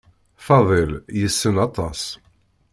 Faḍil yessen aṭas.